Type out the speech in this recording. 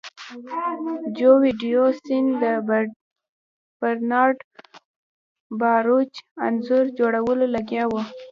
جو ډیویډ سن د برنارډ باروچ انځور جوړولو لګیا و